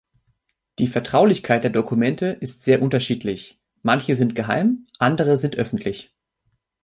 Die Vertraulichkeit der Dokumente ist sehr unterschiedlich; manche sind geheim, andere sind öffentlich.